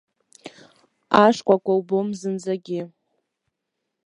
Ашкәакәа убом зынӡагьы.